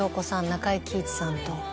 中井貴一さんと。